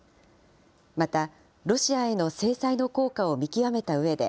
また、ロシアへの制裁の効果を見極めたうえで、